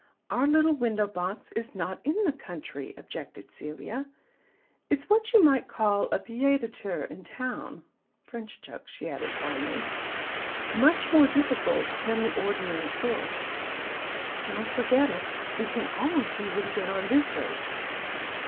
"Our little window box is not in the country," objected Celia. "It's what you might call a pied de terre in town. French joke," she added kindly. "Much more difficult than the ordinary sort." "Don't forget it; we can always use it again on visitors.